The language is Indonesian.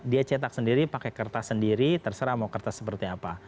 dia cetak sendiri pakai kertas sendiri terserah mau kertas seperti apa